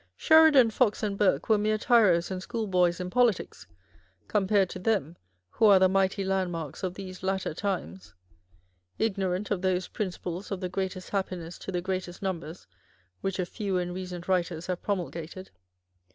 Sheridan, Fox, and Burke were mere tyros and schoolboys in politics compared to them, who are the " mighty land marks of these latter times ' â€" ignorant of those principles of " the greatest happiness to the greatest numbers," which a few and recent uviters have promulgated.